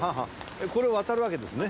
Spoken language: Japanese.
これを渡るわけですね。